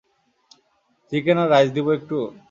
Chicken আর rice দিবো একটু?